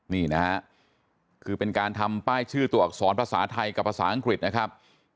นี่นะฮะคือเป็นการทำป้ายชื่อตัวอักษรภาษาไทยกับภาษาอังกฤษนะครับ